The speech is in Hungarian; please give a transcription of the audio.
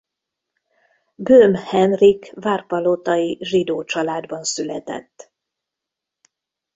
Böhm Henrik várpalotai zsidó családban született.